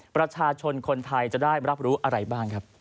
ประชาชนคนไทยจะได้รับรู้อะไรบ้างครับ